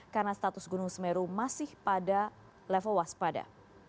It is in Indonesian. karena status gunung semeru masih pada level waspada